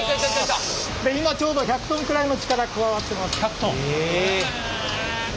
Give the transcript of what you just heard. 今ちょうど１００トンくらいの力加わってます。